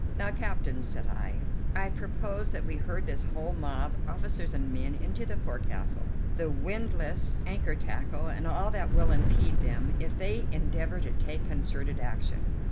"Now, captain," said I, "I propose that we herd this whole mob, officers and men, into the forecastle. The windlass, anchor tackle, and all that will impede them, if they endeavour to take concerted action.